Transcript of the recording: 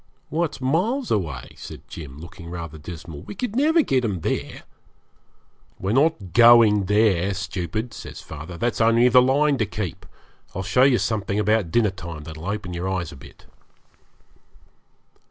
'Why, it's miles away,' said Jim, looking rather dismal. 'We could never get 'em there.' 'We're not going there, stupid,' says father; 'that's only the line to keep. I'll show you something about dinner time that'll open your eyes a bit.'